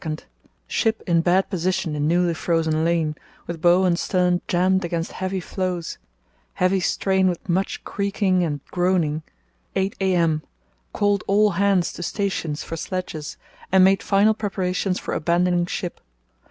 —Ship in bad position in newly frozen lane, with bow and stern jammed against heavy floes; heavy strain with much creaking and groaning. 8 a.m.—Called all hands to stations for sledges, and made final preparations for abandoning ship.